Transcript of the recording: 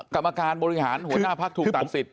กรรมการบริหารหัวหน้าพักถูกตัดสิทธิ